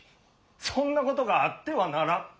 そんなことがあってはならん！